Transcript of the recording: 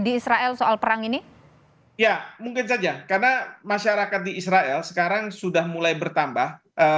di israel soal perang ini ya mungkin saja karena masyarakat di israel sekarang sudah mulai bertambah